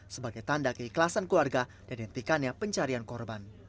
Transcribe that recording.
sebagai tanda keikhlasan keluarga dan dihentikannya pencarian korban